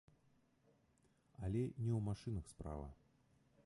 Але не ў машынах справа.